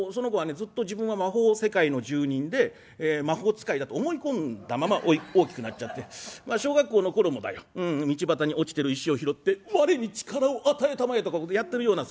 ずっと自分は魔法世界の住人で魔法使いだと思い込んだまま大きくなっちゃってまあ小学校の頃もだよ道端に落ちてる石を拾って『我に力を与えたまえ』とかやってるようなそういう子だったんだな。